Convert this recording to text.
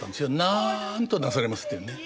「なんとなされます」っていうね。